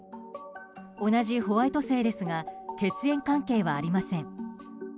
同じホワイト姓ですが血縁関係はありません。